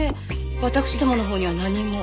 私どものほうには何も。